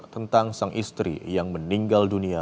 tentang sang istri yang meninggal dunia